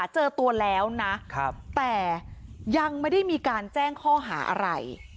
เจอตัวแล้วนะแต่ยังไม่ได้มีการแจ้งข้อหาอะไร